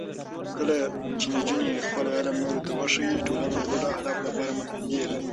کله چې نجونې خپل علم نورو ته وښيي، ټولنه د ګډو اهدافو لپاره متحدېږي.